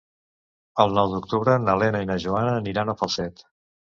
El nou d'octubre na Lena i na Joana aniran a Falset.